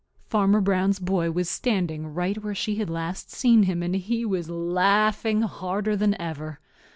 Farmer Brown's boy was standing right where she had last seen him, and he was laughing harder than ever.